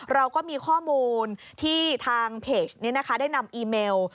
เราก็มีข้อมูลที่ทางเพจนี้นะคะได้นำอีเมล